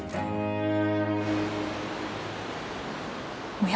おや？